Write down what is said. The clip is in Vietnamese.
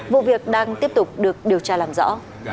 vụ việc đang tiếp tục được điều tra làm rõ